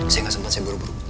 saya gak sempat saya buru buru